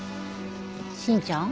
真ちゃん。